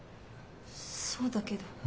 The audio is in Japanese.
そうだけど。